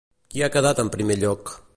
Qui ha quedat en primer lloc?